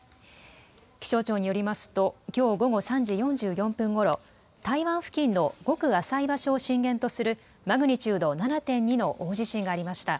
気象庁によりますときょう午後３時４４分ごろ、台湾付近のごく浅い場所を震源とするマグニチュード７．２の大地震がありました。